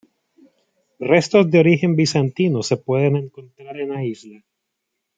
Restos de origen bizantino se pueden encontrar en la isla.